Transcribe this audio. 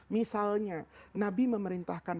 misalnya nabi memerintahkan